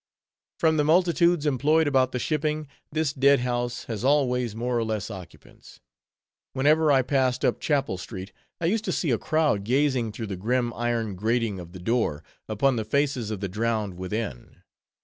From the multitudes employed about the shipping, this dead house has always more or less occupants. Whenever I passed up Chapel street, I used to see a crowd gazing through the grim iron grating of the door, upon the faces of the drowned within.